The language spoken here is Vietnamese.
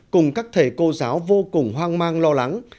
cùng các thầy cô giáo vô cùng hoang mang lo lắng